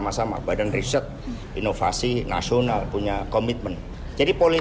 masuknya putra bungsu jokowi dodo